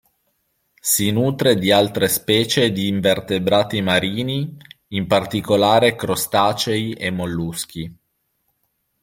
Si nutre di altre specie di invertebrati marini, in particolare crostacei e molluschi.